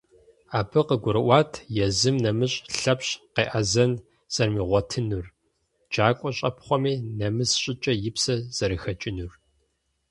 Абы къыгурыӀуат езым нэмыщӀ Лъэпщ къеӀэзэн зэримыгъуэтынур, джакӀуэ щӀэпхъуэми, нэмыс щӀыкӀэ, и псэр зэрыхэкӀынур.